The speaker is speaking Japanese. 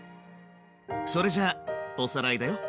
それじゃおさらいだよ。